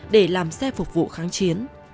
để làm xe phục vụ kháng chiến